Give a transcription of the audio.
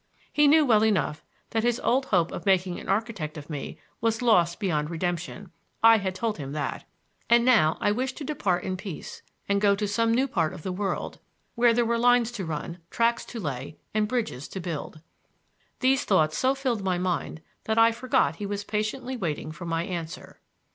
He knew well enough that his old hope of making an architect of me was lost beyond redemption—I had told him that—and now I wished to depart in peace and go to some new part of the world, where there were lines to run, tracks to lay and bridges to build. These thoughts so filled my mind that I forgot he was patiently waiting for my answer.